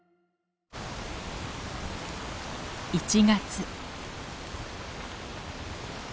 １月。